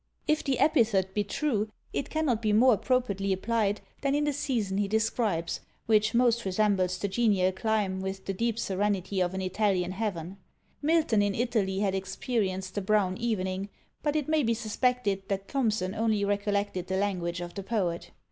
If the epithet be true, it cannot be more appropriately applied than in the season he describes, which most resembles the genial clime with the deep serenity of an Italian heaven. Milton in Italy had experienced the brown evening, but it may be suspected that Thomson only recollected the language of the poet.